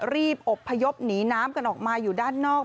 รีบอบพยพหนีน้ำกันออกมาอยู่ด้านนอก